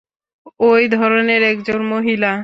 ওই ধরণের একজন মহিলা।